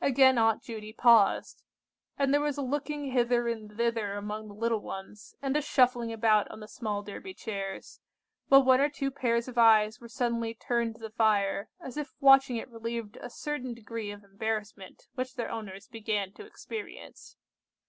Again Aunt Judy paused, and there was a looking hither and thither among the little ones, and a shuffling about on the small Derby chairs, while one or two pairs of eyes were suddenly turned to the fire, as if watching it relieved a certain degree of embarrassment which their owners began to experience.